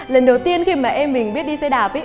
lần đầu tiên khi mà em mình biết đi xe đạp